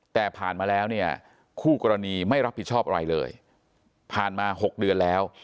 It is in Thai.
แต่ผ่านมาแล้วเนี่ยคู่กรณีไม่รับผิดชอบอะไรเลยผ่านมา๖เดือนแล้ว